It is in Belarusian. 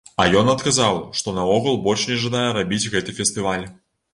А ён адказаў, што наогул больш не жадае рабіць гэты фестываль.